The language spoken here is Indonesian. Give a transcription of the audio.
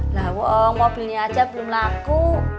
nah mobilnya aja belum laku